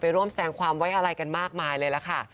ร่วมแสดงความไว้อะไรกันมากมายเลยล่ะค่ะ